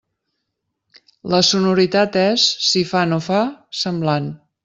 La sonoritat és, si fa no fa, semblant.